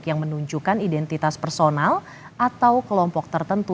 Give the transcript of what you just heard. yang menunjukkan identitas personal atau kelompok tertentu